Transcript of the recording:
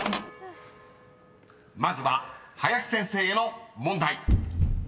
［まずは林先生への問題］